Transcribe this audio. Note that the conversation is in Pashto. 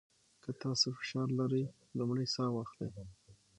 که تاسو فشار لرئ، لومړی ساه واخلئ.